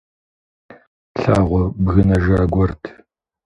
Лъагъуэ бгынэжа гуэрт.